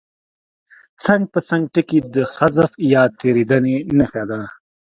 څنګ پر څنګ ټکي د حذف یا تېرېدنې نښه ده.